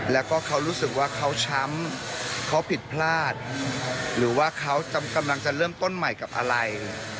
แล้วก็เขารู้สึกว่าเขาช้ำเขาผิดพลาดหรือว่าเขากำลังจะเริ่มต้นใหม่กับอะไร